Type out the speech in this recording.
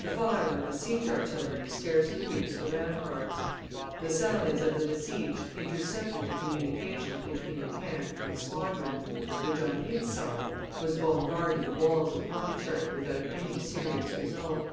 The fire of the siege artillery scarcely reached the ramparts; the sallies of the besieged intercepted the communications between the camp and the squadron, which, on its side, was bombarding the walls of Pondicherry without any serious result.